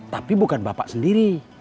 tapi bukan bapak sendiri